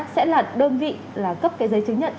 sẽ là đơn vị là cấp cái giấy chứng nhận